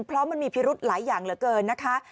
เพราะมันมีพิรุธหลายอย่างเหลือเกินนะคะ